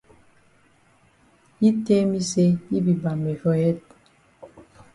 Yi tell me say yi be mbambe for head.